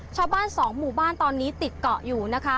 ชาวบ้านสองหมู่บ้านตอนนี้ติดเกาะอยู่นะคะ